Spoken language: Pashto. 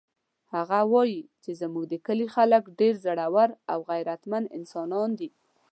هغه وایي چې زموږ د کلي خلک ډېر زړور او غیرتمن انسانان دي